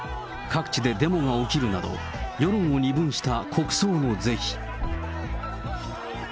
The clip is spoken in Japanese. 各地でデモが起きるなど、世論を二分した国葬の是非。